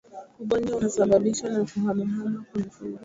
Ugonjwa unasababishwa na kuhamahama kwa mifugo